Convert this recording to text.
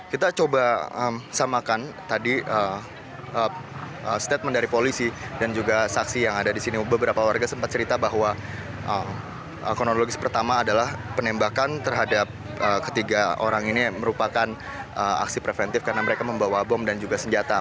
kita coba samakan tadi statement dari polisi dan juga saksi yang ada di sini beberapa warga sempat cerita bahwa kronologis pertama adalah penembakan terhadap ketiga orang ini merupakan aksi preventif karena mereka membawa bom dan juga senjata